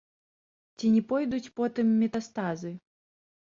Ці не пойдуць потым метастазы?